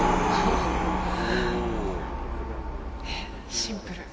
えシンプル。